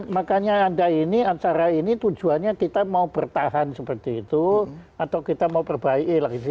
makanya ada ini acara ini tujuannya kita mau bertahan seperti itu atau kita mau perbaiki lagi